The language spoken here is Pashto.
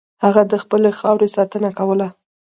هغه د خپلې خاورې ساتنه کوله.